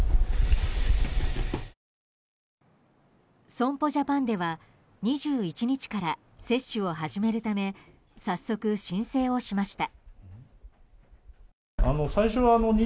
損保ジャパンでは２１日から接種を始めるため早速、申請をしました。